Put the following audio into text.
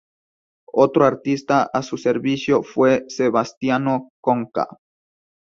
Otro artista a su servicio fue Sebastiano Conca.